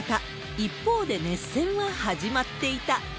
一方で、熱戦は始まっていた。